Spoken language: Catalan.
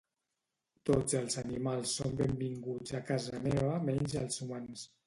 Tots els animals són benvinguts a casa meva menys els humans